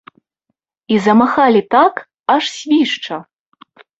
І замахалі так, аж свішча!